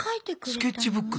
スケッチブックだ。